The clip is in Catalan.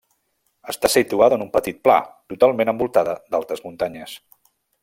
Està situada en un petit pla, totalment envoltada d'altes muntanyes.